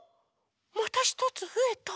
またひとつふえた！